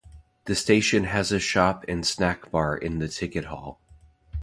The station has a shop and snack bar in the ticket hall.